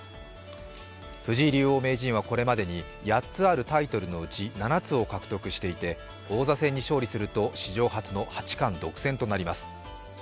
藤井竜王名人はこれまでに８つある将棋タイトルのうち７つを獲得していて王座戦に勝利すると史上初の八冠独占となります。